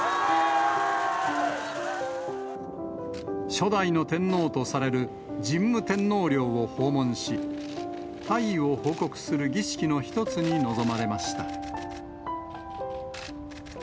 初代の天皇とされる神武天皇陵を訪問し、退位を報告する儀式の一つに臨まれました。